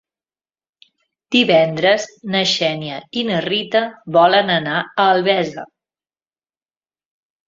Divendres na Xènia i na Rita volen anar a Albesa.